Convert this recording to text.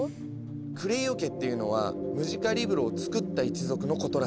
「クレイオ家」っていうのはムジカリブロをつくった一族のことらしい。